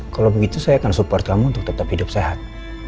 kalau begitu saya akan support kamu untuk tetap hidup sehat